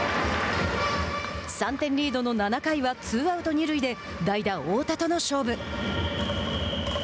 ３点リードの７回はツーアウト、二塁で代打大田との勝負。